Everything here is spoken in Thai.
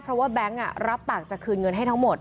เพราะว่าแบงค์รับปากจะคืนเงินให้ทั้งหมด